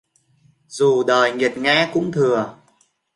Dù đời nghiệt ngã cũng thừa